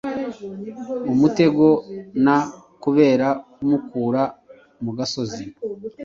umutego na kubera kumukura mu gasozi